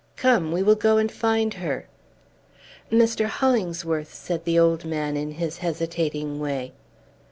Come, we will go and find her." "Mr. Hollingsworth!" said the old man in his hesitating way.